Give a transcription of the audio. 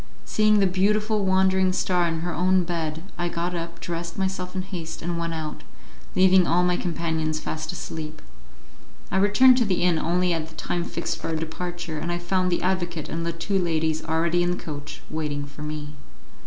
Seeing the beautiful wandering star in her own bed, I got up, dressed myself in haste, and went out, leaving all my companions fast asleep. I returned to the inn only at the time fixed for our departure, and I found the advocate and the two ladies already in the coach, waiting for me.